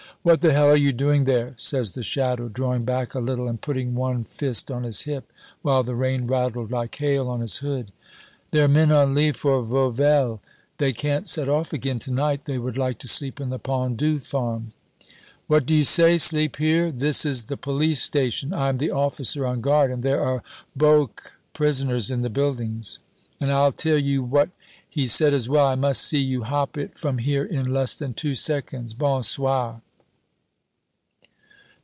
"'What the hell are you doing there?' says the shadow, drawing back a little and putting one fist on his hip, while the rain rattled like hail on his hood. "'They're men on leave for Vauvelles they can't set off again to night they would like to sleep in the Pendu farm.' "'What do you say? Sleep here? This is the police station I am the officer on guard and there are Boche prisoners in the buildings.' And I'll tell you what he said as well 'I must see you hop it from here in less than two seconds. Bonsoir.'